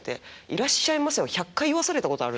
「いらっしゃいませ」。